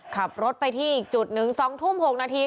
ขับรถไปที่อีกจุดหนึ่ง๒ทุ่ม๖นาที